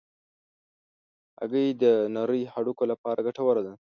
هګۍ د نرۍ هډوکو لپاره ګټوره ده.